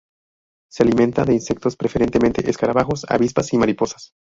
Se alimenta de insectos, preferentemente escarabajos, avispas y mariposas.